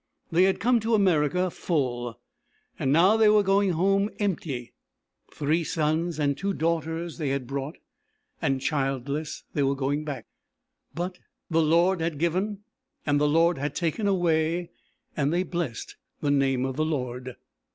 They had come to America full and now they were going home empty; three sons and two daughters they had brought, and childless they were going back; but "The Lord had given and the Lord had taken away," and they blessed the name of the Lord.